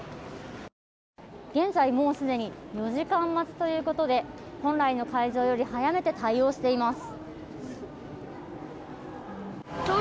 現在、もうすでに４時間待ちということで本来の開場より早めて対応しています。